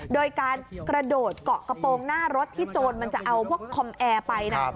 โดยการกระโดดเกาะกระโปรงหน้ารถที่โจรมันจะเอาพวกคอมแอร์ไปนะ